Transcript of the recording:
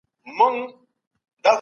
خلک دا خبرداری اخلي.